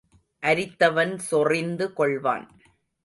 அரித்தவன் சொறிந்து கொள்வான்.